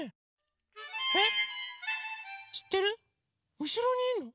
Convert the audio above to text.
うしろにいるの？